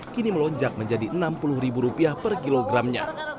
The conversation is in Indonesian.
kini melonjak menjadi enam puluh ribu rupiah per kilogramnya